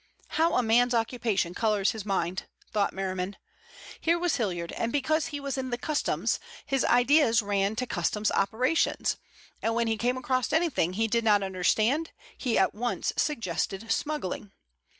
How a man's occupation colors his mind! thought Merriman. Here was Hilliard, and because he was in the Customs his ideas ran to Customs operations, and when he came across anything he did not understand he at once suggested smuggling.